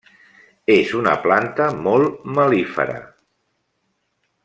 És una planta molt mel·lífera.